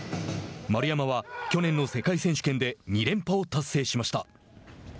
丸山は去年の世界選手権で２連覇を達成しました。